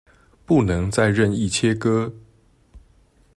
不能再任意切割